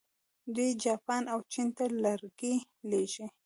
دوی جاپان او چین ته لرګي لیږي.